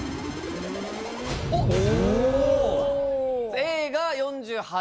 ・Ａが４８。